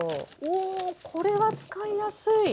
これは使いやすい。